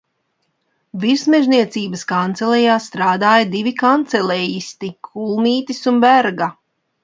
Virsmežniecības kancelejā strādāja divi kancelejisti, Kulmītis un Berga.